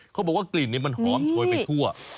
เขาบอกว่ากลิ่นมันหอมโชยไปทั่ว